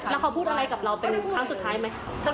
แล้วเขาพูดอะไรกับเราเป็นครั้งสุดท้ายไหม